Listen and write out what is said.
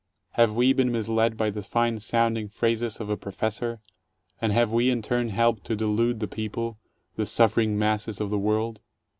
Have we been misled by the fine sounding phrases of a Professor, and have we in turn helped to delude the people, the suffering masses of the world?